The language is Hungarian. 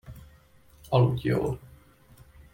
Aludj jól.